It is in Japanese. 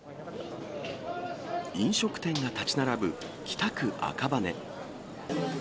飲食店が建ち並ぶ北区赤羽。